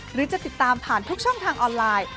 หรือจะติดตามผ่านทุกช่องทางออนไลน์